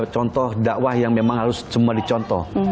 contoh dakwah yang memang harus semua dicontoh